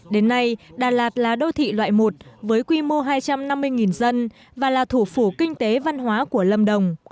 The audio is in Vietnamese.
đến nay đà lạt là đô thị loại một với quy mô hai trăm năm mươi dân và là thủ phủ kinh tế văn hóa của lâm đồng